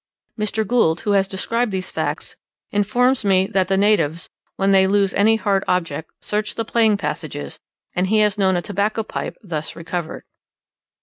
Mr. Gould, who has described these facts, informs me, that the natives, when they lose any hard object, search the playing passages, and he has known a tobacco pipe thus recovered.